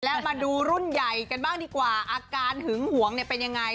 แล้วมาดูรุ่นใหญ่กันบ้างดีกว่าอาการหึงหวงเนี่ยเป็นยังไง